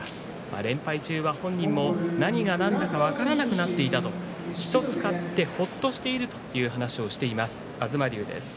連敗中は本人も何がなんだか分からなくなっていたと１つ勝ってほっとしているという話をしています東龍です。